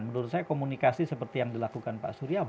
menurut saya komunikasi seperti yang dilakukan pak surya